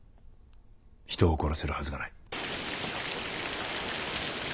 人を殺せるはずがない。